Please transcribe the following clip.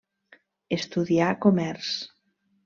Estudià comerç.